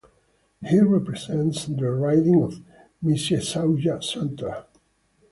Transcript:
He represents the riding of Mississauga Centre.